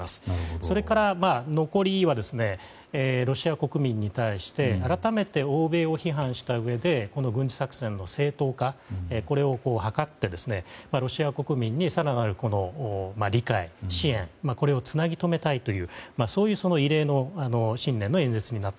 それから、残りはロシア国民に対して改めて欧米を批判したうえで軍事作戦の正当化を図ってロシア国民に更なる理解支援をつなぎ留めたいというそういう異例の新年の演説になった。